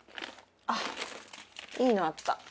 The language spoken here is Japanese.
あっいいのあった。